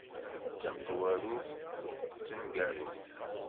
D tamezwarut d tneggarut.